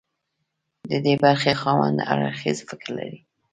د ډي برخې خاوند هر اړخیز فکر لري.